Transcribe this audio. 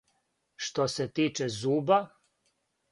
Што се тиче зуба